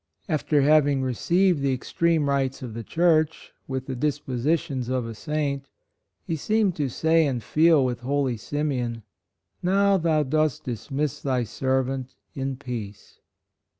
After having received the ex treme rites of the Church, with the dispositions of a saint, he seemed to say and feel with holy Simeon, " now thou dost dismiss thy serv ant in peace."